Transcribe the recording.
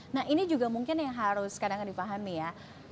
nah ini juga mungkin yang harus kadang kadang dipahami ya